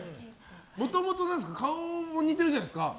もともと顔も似てるじゃないですか。